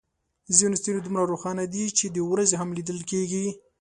ځینې ستوري دومره روښانه دي چې د ورځې هم لیدل کېږي.